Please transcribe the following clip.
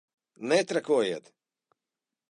Netrakojiet!